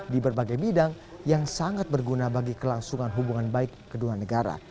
di berbagai bidang yang sangat berguna bagi kelangsungan hubungan baik kedua negara